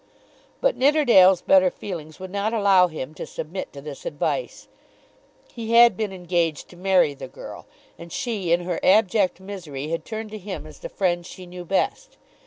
But Nidderdale's better feelings would not allow him to submit to this advice. He had been engaged to marry the girl, and she in her abject misery had turned to him as the friend she knew best.